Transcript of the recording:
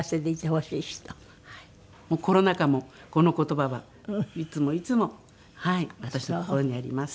もうコロナ禍もこの言葉はいつもいつも私の心にあります。